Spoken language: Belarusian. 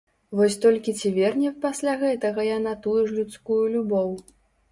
Вось толькі ці верне пасля гэтага яна тую ж людскую любоў?